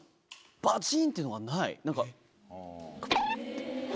バチン！っていうのがない何か。